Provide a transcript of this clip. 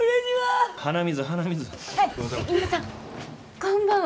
こんばんは。